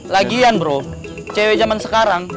lagian bro cw zaman sekarang